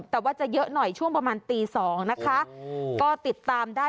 แต่ว่าจะเยอะหน่อยช่วงประมาณตีสองนะคะก็ติดตามได้